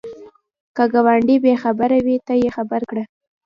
که ګاونډی بې خبره وي، ته یې خبر کړه